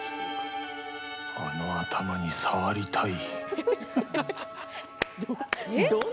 あの頭に触りたい。